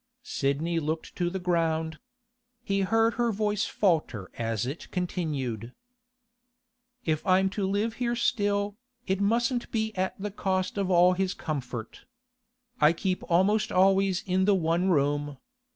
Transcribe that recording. Sidney looked to the ground. He heard her voice falter as it continued. 'If I'm to live here still, it mustn't be at the cost of all his comfort. I keep almost always in the one room.